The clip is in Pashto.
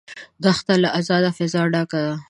دښته له آزاده فضا ډکه ده.